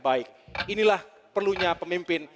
baik inilah perlunya pemimpin